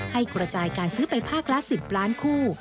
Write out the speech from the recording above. ให้กระจายการซื้อไปภาคละ๑๐ล้านคู่